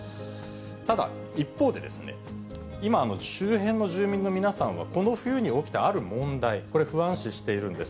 ただ、一方で、今周辺の住民の皆さんは、この冬に起きたある問題、これ、不安視しているんです。